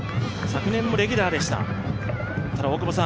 昨年もレギュラーでした。